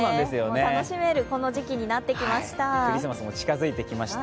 楽しめるこの時期になってきました。